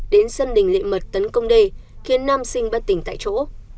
đến sân đình lệ mật tấn công đê khiến nam sinh bất tỉnh tại chỗ